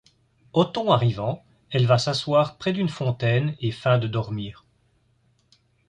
Othon arrivant, elle va s'asseoir près d'une fontaine et feint de dormir.